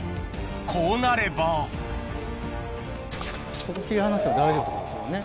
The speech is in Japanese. こうなればここ切り離しても大丈夫ってことですもんね。